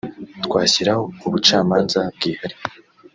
twashyiraho ubucamanza bwihariye